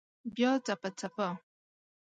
بیا څپه، څپه